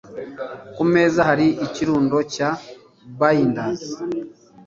Ku meza hari ikirundo cya binders.